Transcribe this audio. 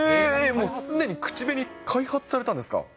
もうすでに口紅、開発されたんですか。